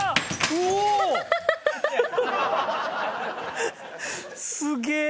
すげえ！